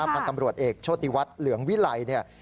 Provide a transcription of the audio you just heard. พันธ์ตำรวจเอกโชติวัดเหลืองวิไล